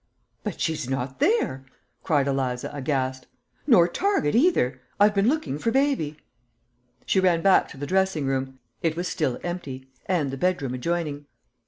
"But she's not there," cried Eliza, aghast; "nor Target either. I've been looking for baby." She ran back to the dressing room; it was still empty, and the bedroom adjoining. Mr.